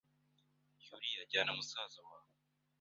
Yuliya, jyana musaza wawe